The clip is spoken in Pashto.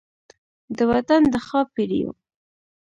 د وطن د ښا پیریو